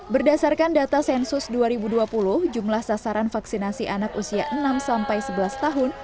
berdasarkan data sensus dua ribu dua puluh jumlah sasaran vaksinasi anak usia enam sampai sebelas tahun